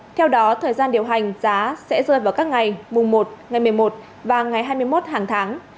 theo đó thời gian điều hành giá sẽ rơi vào các ngày mùng một ngày một mươi một và ngày hai mươi một hàng tháng